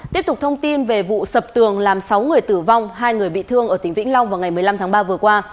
tiếp tục thông tin về vụ sập tường làm sáu người tử vong hai người bị thương ở tỉnh vĩnh long vào ngày một mươi năm tháng ba vừa qua